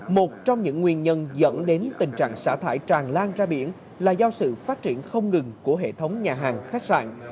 một trong những nguyên nhân dẫn đến tình trạng xả thải tràn lan ra biển là do sự phát triển không ngừng của hệ thống nhà hàng khách sạn